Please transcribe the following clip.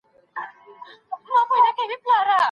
چا غوښتل چي رسول الله پر بالښت تکيه وکړي؟